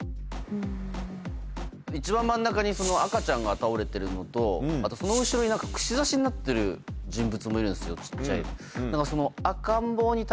一番真ん中に赤ちゃんが倒れてるのとあとその後ろに串刺しになってる人物もいるんですよ小っちゃい。